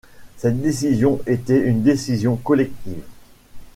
Cette décision était une décision collective.